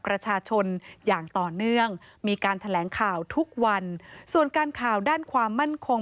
ประชาชนอย่างต่อเนื่องมีการแถลงข่าวทุกวันส่วนการข่าวด้านความมั่นคง